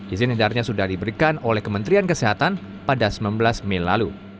izin edarnya sudah diberikan oleh kementerian kesehatan pada sembilan belas mei lalu